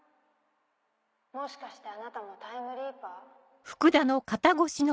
もしかしてあなたもタイムリーパー？